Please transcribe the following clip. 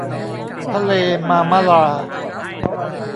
ทะเลมาร์มะรา